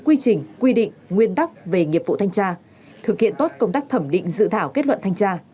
quy trình quy định nguyên tắc về nghiệp vụ thanh tra thực hiện tốt công tác thẩm định dự thảo kết luận thanh tra